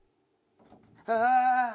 ああ。